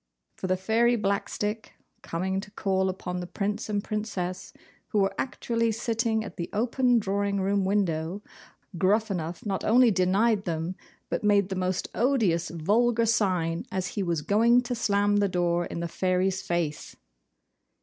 For the Fairy Blackstick coming to call upon the Prince and Princess, who were actually sitting at the open drawing room window, Gruffanuff not only denied them, but made the most ODIOUS VULGAR SIGN as he was going to slam the door in the Fairy's face!